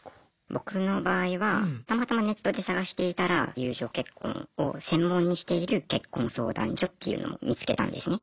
僕の場合はたまたまネットで探していたら友情結婚を専門にしている結婚相談所っていうのを見つけたんですね。